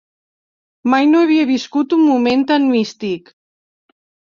Mai no havia viscut un moment tan místic.